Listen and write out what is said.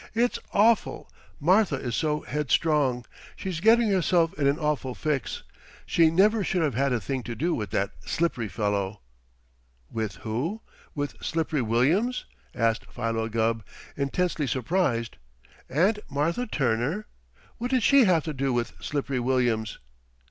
It's awful! Martha is so headstrong! She's getting herself in an awful fix! She never should have had a thing to do with that Slippery fellow!" "With who? With Slippery Williams?" asked Philo Gubb, intensely surprised. "Aunt Martha Turner? What did she have to do with Slippery Williams?"